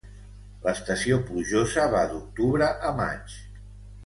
L'estació plujosa va d'octubre a maig.